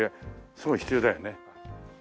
すごい必要だよね。